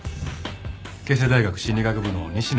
慶政大学心理学部の西名です。